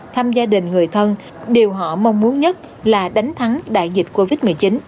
thăm gia đình người thân điều họ mong muốn nhất là đánh thắng đại dịch covid một mươi chín